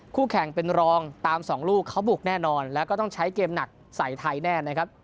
คู่แข่งเป็นรองตามสองลูกเขาบุกแน่นอนแล้วก็ต้องใช้เกมหนักใส่ไทยแน่นะครับ